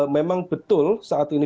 memang betul saat ini